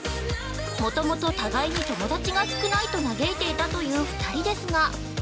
もともと、互いに友達が少ないと嘆いていたという２人ですが。